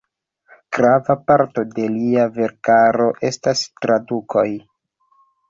Grava parto de lia verkaro estas tradukoj.